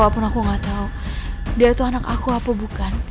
walaupun aku gak tau dia itu anak aku apa bukan